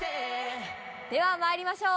ではまいりましょう。